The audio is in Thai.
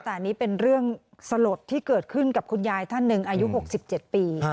แต่อันนี้เป็นเรื่องสลดที่เกิดขึ้นกับคุณยายท่านหนึ่งอายุ๖๗ปี